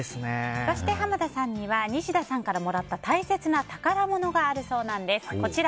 そして濱田さんには西田さんからもらった大切な宝物があるそうなんです。